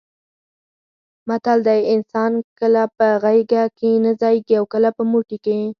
متل دی: انسان کله په غېږه کې نه ځایېږي اوکله په موټي کې.